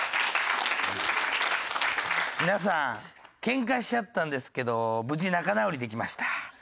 皆さんケンカしちゃったんですけど無事仲直りできました。